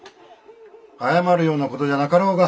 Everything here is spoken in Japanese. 謝るようなことじゃなかろうが。